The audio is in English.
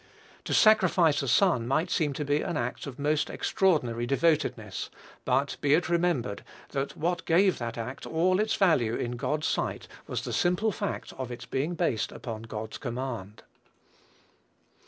To sacrifice a son might seem to be an act of most extraordinary devotedness; but, be it remembered, that what gave that act all its value, in God's sight, was the simple fact of its being based upon God's command.